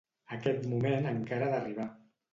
Aquest moment encara ha d'arribar.